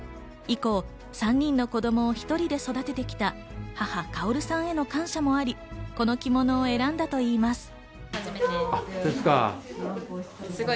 以降、３人の子供を一人で育ててきた母・薫さんへの感謝もあり、この着物を選んだといいます。